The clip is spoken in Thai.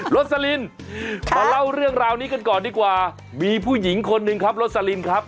สลินมาเล่าเรื่องราวนี้กันก่อนดีกว่ามีผู้หญิงคนหนึ่งครับโรสลินครับ